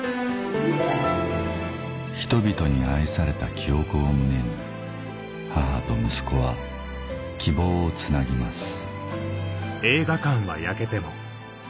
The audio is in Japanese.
人々に愛された記憶を胸に母と息子は希望をつなぎます